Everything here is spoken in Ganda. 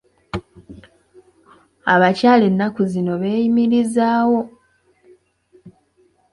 Abakyala ennaku zino beeyimirizaawo.